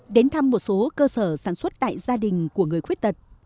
đến thăm một số cơ sở sản xuất tại gia đình của người khuyết tật